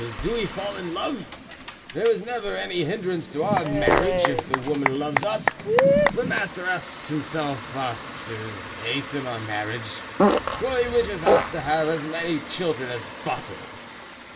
Do we fall in love? There is never any hindrance to our marriage, if the woman loves us; the master himself asks us to hasten our marriage, for he wishes us to have as many children as possible.